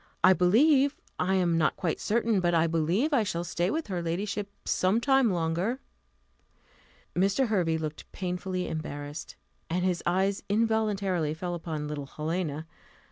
"I believe I am not quite certain but I believe I shall stay with her ladyship some time longer." Mr. Hervey looked painfully embarrassed, and his eyes involuntarily fell upon little Helena.